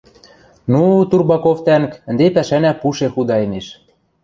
— Ну, Турбаков тӓнг, ӹнде пӓшӓнӓ пуше худаэмеш.